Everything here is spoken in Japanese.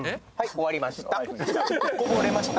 終わりました